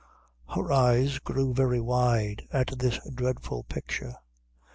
Her eyes grew very wide at this dreadful picture.